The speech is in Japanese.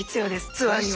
ツアーには。